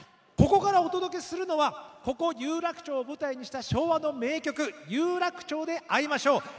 ここからお届けするのはここ有楽町を舞台にした昭和の名曲「有楽町で逢いましょう」